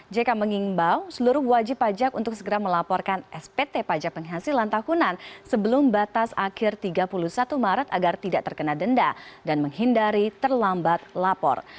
jk mengimbau seluruh wajib pajak untuk segera melaporkan spt pajak penghasilan tahunan sebelum batas akhir tiga puluh satu maret agar tidak terkena denda dan menghindari terlambat lapor